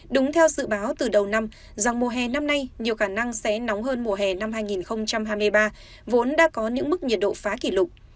đúng theo dự báo từ đầu năm rằng mùa hè năm nay nhiều khả năng sẽ nóng hơn mùa hè năm hai nghìn hai mươi ba vốn đã có những mức nhiệt độ phá kỷ lục